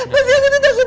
pasti aku tuh takut banget